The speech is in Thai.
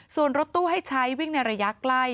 ส่วนรถตู้ให้ใช้วิ่งในระยะใกล้